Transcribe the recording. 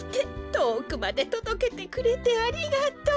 とおくまでとどけてくれてありがとう。